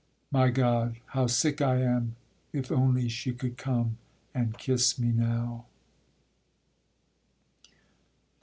My God! how sick I am, If only she could come and kiss me now.